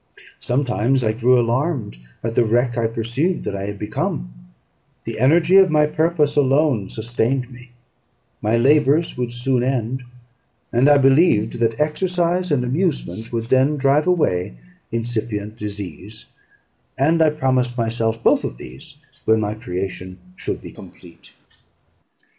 Sometimes I grew alarmed at the wreck I perceived that I had become; the energy of my purpose alone sustained me: my labours would soon end, and I believed that exercise and amusement would then drive away incipient disease; and I promised myself both of these when my creation should be complete.